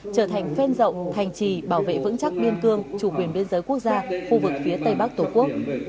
trở thành phên rộng thành trì bảo vệ vững chắc biên cương chủ quyền biên giới quốc gia khu vực phía tây bắc tổ quốc